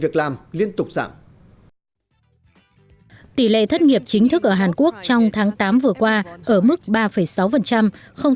tiếp tục giảm tỷ lệ thất nghiệp chính thức ở hàn quốc trong tháng tám vừa qua ở mức ba sáu không